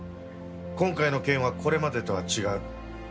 今回の件はこれまでとは違う。